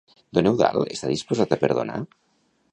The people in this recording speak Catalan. Don Eudald està disposat a perdonar?